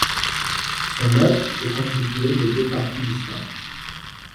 Son œuvre est constituée de deux parties distinctes.